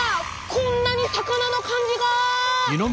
こんなに魚の漢字が！